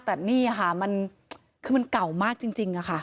แต่นี่ค่ะมันคือมันเก่ามากจริงค่ะ